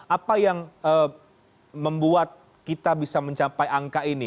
apa yang membuat kita bisa mencapai angka ini